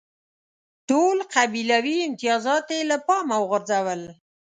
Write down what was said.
ټول قبیلوي امتیازات یې له پامه وغورځول.